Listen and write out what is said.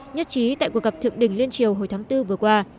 nhất trí tại cuộc gặp thượng đỉnh liên triều hồi tháng bốn vừa qua